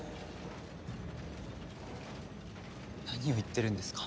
何を言ってるんですか？